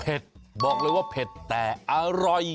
บอกเลยว่าเผ็ดแต่อร่อย